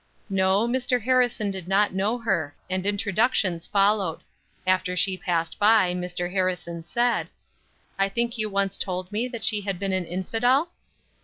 No, Mr. Harrison did not know her; and introductions followed. After she passed by, Mr. Harrison said, "I think you told me once that she had been an infidel?"